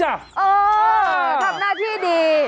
เออทำหน้าที่ดี